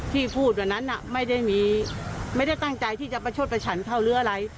ที่พูดวันนั้นไม่ได้ตั้งใจที่จะประชดประฉันเข้าหรืออะไร